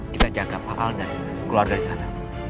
kita jaga pak alden keluar dari sana